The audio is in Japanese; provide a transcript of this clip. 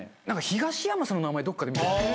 なんか東山さんの名前どこかで見た。